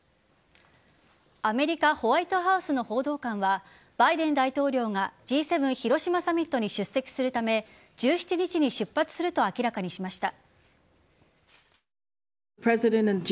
アメリカホワイトハウスの報道官はバイデン大統領がＧ７広島サミットに出席するため１７日に出発すると明らかにしました。